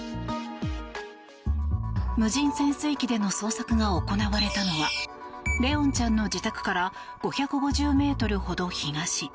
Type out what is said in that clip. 無人潜水機での捜索が行われたのは怜音ちゃんの自宅から５５０ｍほど東。